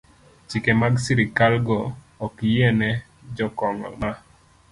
Chike mag sirkalgo ok oyiene jo Kongo ma